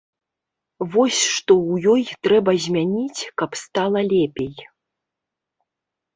Вось што ў ёй трэба змяніць, каб стала лепей.